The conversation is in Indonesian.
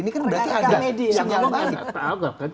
ini kan berarti ada sinyal balik